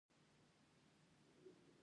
د کارغه غږ د مسافر د راتلو نښه ګڼل کیږي.